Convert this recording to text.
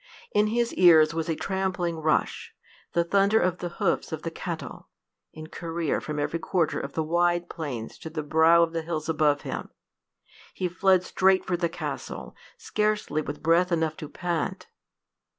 In his ears was a trampling rush, the thunder of the hoofs of the cattle, in career from every quarter of the wide plains to the brow of the hill above him! He fled straight for the castle, scarcely with breath enough to pant.